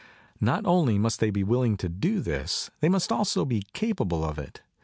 Not only must they be willing to do this, they must also be capable of it.